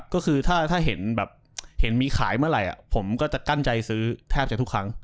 ก็คือถ้าเห็นแบบเห็นมีขายเมื่อไหร่ผมก็จะกั้นใจซื้อแทบจะทุกครั้ง